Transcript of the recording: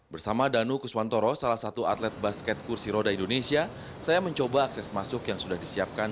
bersama danu kuswantoro salah satu atlet basket kursi roda indonesia saya mencoba akses masuk yang sudah disiapkan